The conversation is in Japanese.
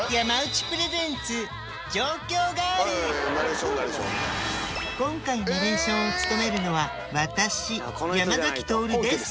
そこで今回ナレーションを務めるのは私山咲トオルです。